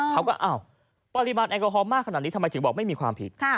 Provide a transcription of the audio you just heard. เขาก็อ้าวปริมาณแอลกอฮอลมากขนาดนี้ทำไมถึงบอกไม่มีความผิด